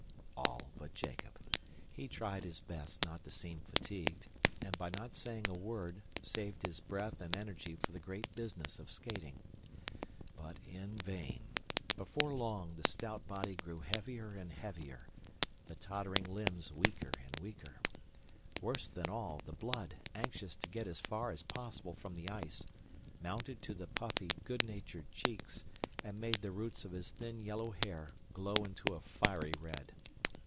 All but Jacob. He tried his best not to seem fatigued and, by not saying a word, saved his breath and energy for the great business of skating. But in vain. Before long, the stout body grew heavier and heavier the tottering limbs weaker and weaker. Worse than all, the blood, anxious to get as far as possible from the ice, mounted to the puffy, good natured cheeks, and made the roots of his thin yellow hair glow into a fiery red.